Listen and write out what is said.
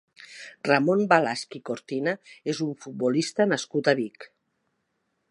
Ramon Balasch i Cortina és un futbolista nascut a Vic.